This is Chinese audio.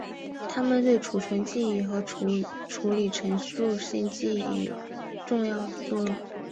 它们对储存记忆和处理陈述性记忆有重要的作用。